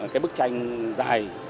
cái bức tranh dài